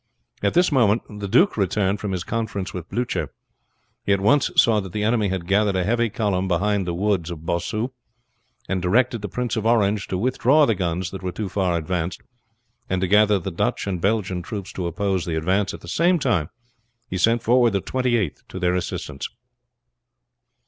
At this moment the duke returned from his conference with Blucher. He at once saw that the enemy had gathered a heavy column behind the wood of Bossu, and directed the Prince of Orange to withdraw the guns that were too far advanced, and to gather the Dutch and Belgian troops to oppose the advance, at the same time he sent forward the Twenty eighth to their assistance.